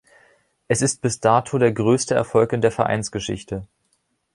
Es ist bis dato der größte Erfolg in der Vereinsgeschichte.